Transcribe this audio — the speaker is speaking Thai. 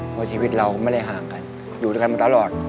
เพราะชีวิตเราไม่ได้ห่างกันอยู่ด้วยกันมาตลอด